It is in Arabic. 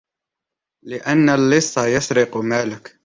لِأَنَّ اللِّصَّ يَسْرِقُ مَالَك